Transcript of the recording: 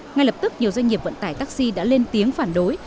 ngay lập tức nhiều doanh nghiệp vận tải taxi đã lên tiếng phản đối